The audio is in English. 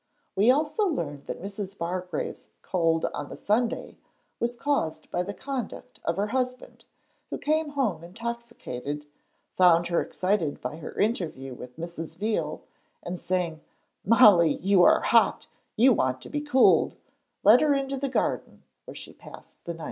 We also learn that Mrs. Bargrave's cold on the Sunday was caused by the conduct of her husband, who came home intoxicated, found her excited by her interview with Mrs. Veal, and saying, 'Molly, you are hot, you want to be cooled,' led her into the garden, where she passed the night.